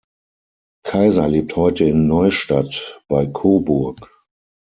Kaiser lebt heute in Neustadt bei Coburg.